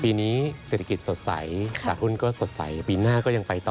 ปีนี้เศรษฐกิจสดใสตลาดหุ้นก็สดใสปีหน้าก็ยังไปต่อ